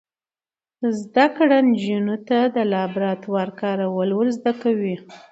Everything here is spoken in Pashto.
زده کړه نجونو ته د لابراتوار کارول ور زده کوي.